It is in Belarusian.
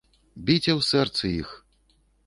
Біце ў сэрцы іх!